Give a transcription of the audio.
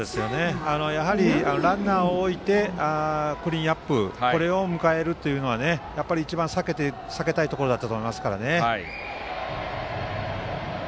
やはりランナーを置いてクリーンナップを迎えるというのは一番避けたいところだったと思いますからね。